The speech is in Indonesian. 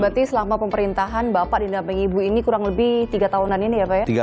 berarti selama pemerintahan bapak dinampingi ibu ini kurang lebih tiga tahunan ini ya pak ya